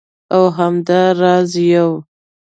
او همدا راز یوه